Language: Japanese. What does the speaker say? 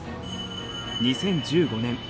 ２０１５年